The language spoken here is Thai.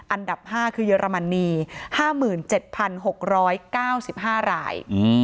อันดับห้าคือเยอรมนีห้ามื่นเจ็ดพันหกร้อยเก้าสิบห้าราย